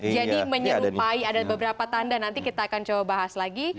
jadi menyerupai ada beberapa tanda nanti kita akan coba bahas lagi